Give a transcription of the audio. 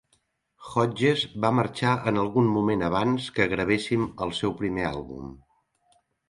Hodges va marxar en algun moment abans que gravessin el seu primer àlbum.